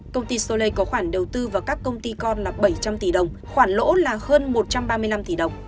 công ty solei có khoản đầu tư vào các công ty con là bảy trăm linh tỷ đồng khoản lỗ là hơn một trăm ba mươi năm tỷ đồng